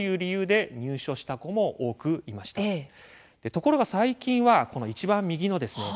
ところが最近はこの一番右のですね